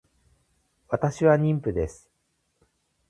私は妊婦です